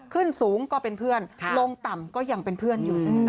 ขึ้นสูงก็เป็นเพื่อนลงต่ำก็ยังเป็นเพื่อนอยู่